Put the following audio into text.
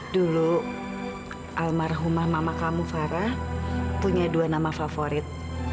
dulu almarhumah mama kamu fara punya dua nama favorit